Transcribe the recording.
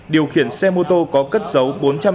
điều khiển xe mô tô có cất dấu bốn trăm chín mươi một